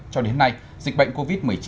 cho đến nay dịch bệnh covid một mươi chín